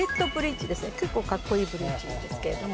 結構カッコいいブリッジなんですけれども。